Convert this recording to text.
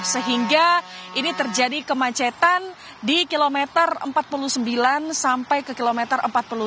sehingga ini terjadi kemacetan di kilometer empat puluh sembilan sampai ke kilometer empat puluh tujuh